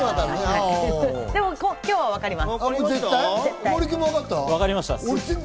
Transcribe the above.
でも今日は分かります、絶対。